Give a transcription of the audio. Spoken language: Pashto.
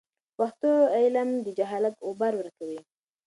په پښتو علم د جهالت غبار ورکوي.